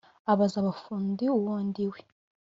abaza abafundi uwo ndiwe